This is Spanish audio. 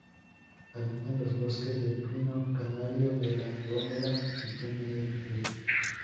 Habita en los bosques de pino canario de La Gomera y Tenerife.